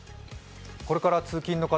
これから通勤の方